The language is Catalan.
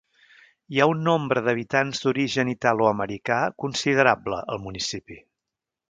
Hi ha un nombre d'habitants d'origen italoamericà considerable al municipi.